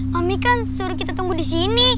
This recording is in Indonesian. kami kan suruh kita tunggu di sini